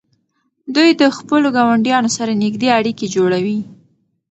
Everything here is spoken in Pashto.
دوی د خپلو ګاونډیانو سره نږدې اړیکې جوړوي.